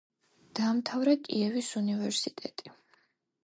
დაამთავრა კიევის უნივერსიტეტი.